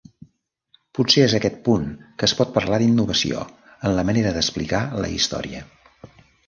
Potser és aquest punt que es pot parlar d'innovació, en la manera d'explicar la història.